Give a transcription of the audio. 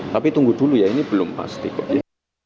tapi tunggu dulu ya ini belum pasti kok ya